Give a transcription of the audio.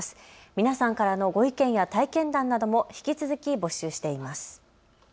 皆さんからのご意見や体験談なども引き続き募集しています。